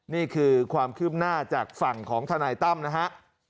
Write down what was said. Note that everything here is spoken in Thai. นี่คือความคืบหน้าจากฝั่งของทนายตั้มนะฮะ